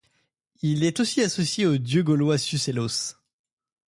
Il est aussi associé au dieu gaulois Sucellos.